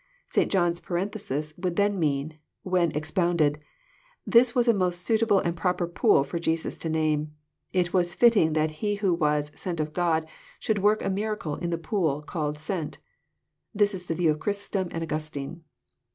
St. John's parenthesis would then mean, when ex pounded :'' This was a most suitable and proper pool for Jesus to name. It was fitting that He who was * Sent of God ' should work a miracle in the pool called * Sent.'" — This is the view of Chrysostom and Augustine.